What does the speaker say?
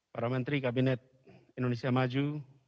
para menteri kabinet indonesia maju